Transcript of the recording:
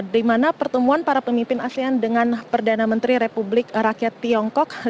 di mana pertemuan para pemimpin asean dengan perdana menteri republik rakyat tiongkok